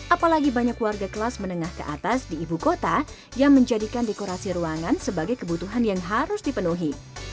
apalagi banyak warga kelas menengah ke atas di ibu kota yang menjadikan dekorasi ruangan sebagai kebutuhan yang harus dipenuhi